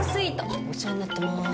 お世話になってます。